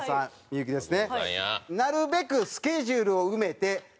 幸ですね。